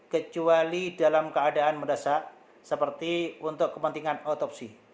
kecuali dalam keadaan mendesak seperti untuk kepentingan otopsi